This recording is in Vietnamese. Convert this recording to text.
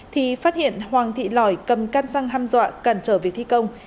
thì phát hiện hoàng thị lòi cầm can xăng ham dọa cản trở việc thi công